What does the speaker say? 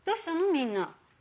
みんな。